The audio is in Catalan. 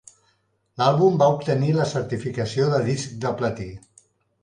L'àlbum va obtenir la certificació de disc de platí.